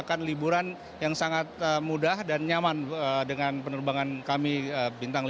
akan liburan yang sangat mudah dan nyaman dengan penerbangan kami bintang lima